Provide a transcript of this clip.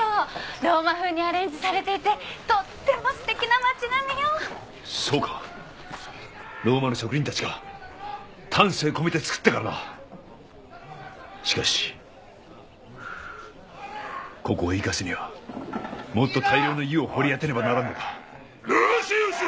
ローマ風にアレンジされていてとってもステキな街並みよそうかローマの職人たちが丹精込めて造ったからなしかしここを生かすにはもっと大量の湯を掘り当てねばならんのだルシウス